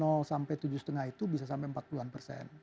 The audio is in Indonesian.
kalau dari sampai tujuh juta setengah itu bisa sampai empat puluh an persen